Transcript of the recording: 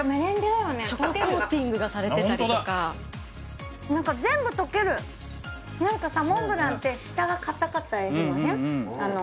チョココーティングがされてたりとか何か全部溶ける何かさモンブランって下がかたかったりしません？